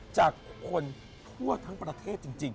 จากคนทั่วทั้งประเทศจริง